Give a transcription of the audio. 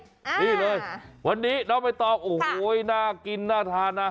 นี่เลยวันนี้น้องใบตองโอ้โหน่ากินน่าทานนะ